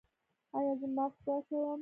ایا زه ماسک واچوم؟